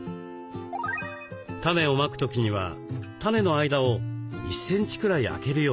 タネをまく時にはタネの間を１センチくらいあけるようにします。